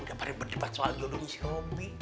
udah paling berdebat soal jodohnya si robby